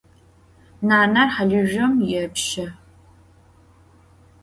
Naner halızjom yêpşe.